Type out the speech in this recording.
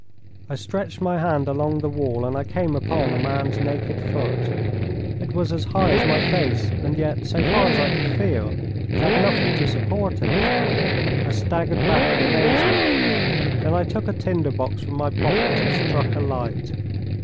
I stretched my hand along the wall and I came upon a man's naked foot. It was as high as my face, and yet, so far as I could feel, it had nothing to support it. I staggered back in amazement. Then I took a tinder box from my pocket and struck a light.